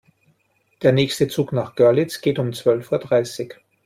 Der nächste Zug nach Görlitz geht um zwölf Uhr dreißig